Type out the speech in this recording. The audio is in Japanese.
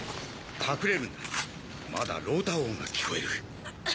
隠れるんだまだローター音が聞こえる。